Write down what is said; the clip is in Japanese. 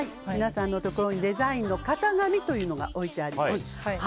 皆さんのところにデザインの型紙というのが置いてあります。